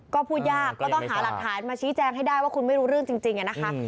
ก็พูดยากก็ต้องหาหลักฐานมาชี้แจงให้ได้ว่าคุณไม่รู้เรื่องจริงอะนะคะ